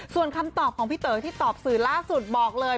ส่วนคำตอบของพี่เต๋อที่ตอบสื่อล่าสุดบอกเลย